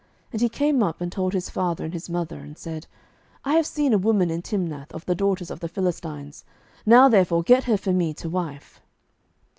07:014:002 And he came up, and told his father and his mother, and said, I have seen a woman in Timnath of the daughters of the Philistines: now therefore get her for me to wife.